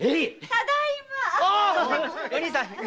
ただいま。